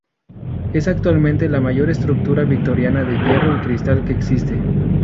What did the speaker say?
Es actualmente la mayor estructura victoriana de hierro y cristal que existe.